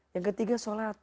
yang ketiga sholat